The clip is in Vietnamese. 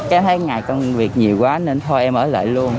cháu thấy ngày công việc nhiều quá nên thôi em ở lại luôn